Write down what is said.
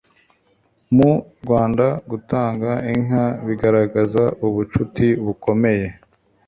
mu rwanda gutanga inka bigaragaza ubucuti bukomeye